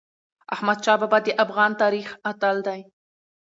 احمدشاه بابا د افغان تاریخ اتل دی.